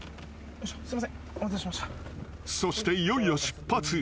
［そしていよいよ出発］